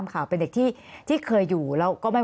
มันเป็นอาหารของพระราชา